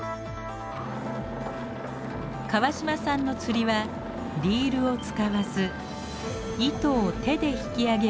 川島さんの釣りはリールを使わず糸を手で引き上げる伝統的な方法です。